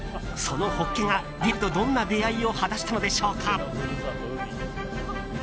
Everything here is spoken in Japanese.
そのホッケが、ディルとどんな出会いを果たしたのでしょうか。